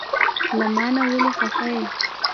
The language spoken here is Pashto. له مانه ولې خفه یی؟